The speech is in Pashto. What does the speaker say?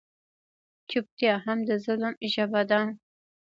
چوپتیا هم د ظلم ژبه ده.